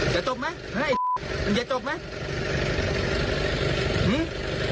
จะจบมั้ยไอ้มึงจะจบมั้ยหื้ม